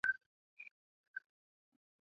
白俄是一种白色的甜鸡尾酒。